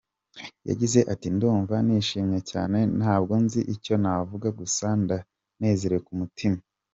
Yagize ati "Ndumva nishimye cyane, ntabwo nzi icyo navuga, gusa ndanezerewe ku mutima.